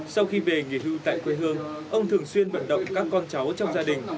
sau khi về nghỉ hưu tại quê hương ông thường xuyên vận động các con cháu trong gia đình